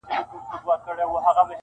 د دوی ادارې څو تنو ته -